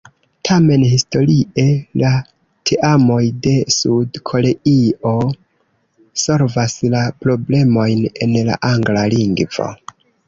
Tamen historie la teamoj de Sud-Koreio solvas la problemojn en la angla lingvo.